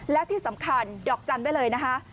และที่สำคัญดอกจันทร์ไว้เลยนะคะ